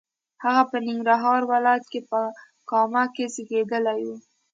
هغه په ننګرهار ولایت په کامه کې زیږېدلی و.